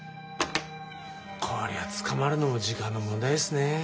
こりゃ捕まるのも時間の問題ですね。